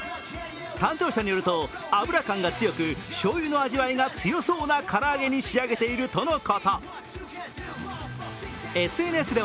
担当者によると油感が強く、しょうゆの味わいが強そうなからあげに仕上げているとのこと。